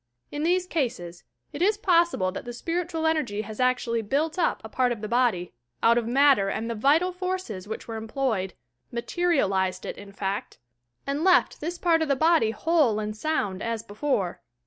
In these cases, it is possible that the spiritual energy has actually built up a part of the body, out of matter and the vital forces which were em ployed, — "materialized" it, in fact — and left this part of the body whole and sound, as before.